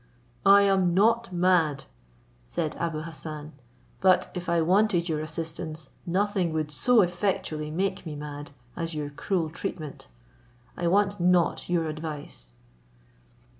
"I am not mad," said Abou Hassan, "but if I wanted your assistance, nothing would so effectually make me mad as your cruel treatment. I want not your advice."